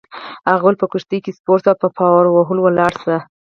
هغه وویل: په کښتۍ کي سپور شه او په پارو وهلو ولاړ شه.